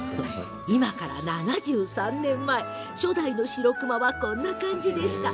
今から７３年前初代のしろくまはこんな感じでした。